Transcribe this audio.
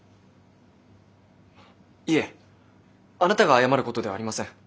いえあなたが謝ることではありません。